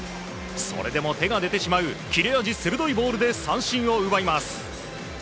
それでも、手が出てしまう切れ味鋭いボールで三振を奪います。